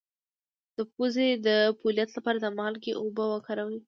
د پوزې د پولیت لپاره د مالګې اوبه وکاروئ